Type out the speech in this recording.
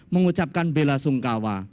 mengucapkan bela sungkawa